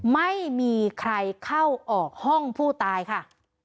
ไม่มีใครเข้าออกห้องผู้ตายค่ะ